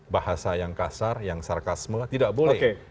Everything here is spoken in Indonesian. bahasa yang kasar yang sarkasme tidak boleh